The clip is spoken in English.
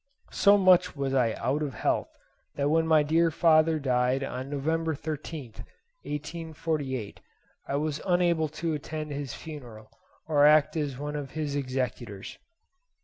So much was I out of health that when my dear father died on November 13th, 1848, I was unable to attend his funeral or to act as one of his executors.